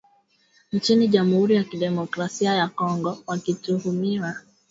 nchini Jamhuri ya Kidemokrasi ya Kongo wakituhumiwa